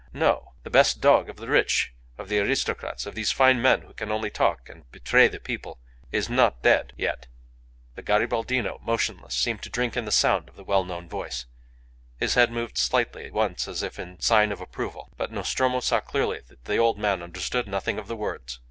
No! The best dog of the rich, of the aristocrats, of these fine men who can only talk and betray the people, is not dead yet." The Garibaldino, motionless, seemed to drink in the sound of the well known voice. His head moved slightly once as if in sign of approval; but Nostromo saw clearly that the old man understood nothing of the words.